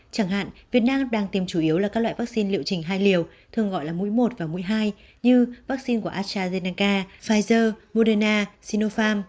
chẳng hạn việt nam đang tiêm chủ yếu là các loại vaccine liệu trình hai liều thường gọi là mũi một và mũi hai như vaccine của astrazeneca pfizer moderna sinofarm